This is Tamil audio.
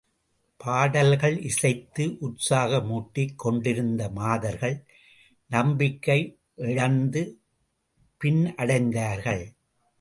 பாடல்கள் இசைத்து உற்சாகமூட்டிக் கொண்டிருந்த மாதர்கள் நம்பிக்கை இழந்து பின்னடைந்தார்கள்.